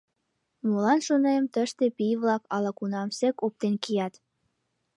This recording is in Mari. Молан, шонем, тыште пий-влак ала-кунамсек оптен кият.